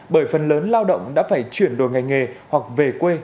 bởi phần lớn lao động đã phải chuyển đổi ngành nghề hoặc về quê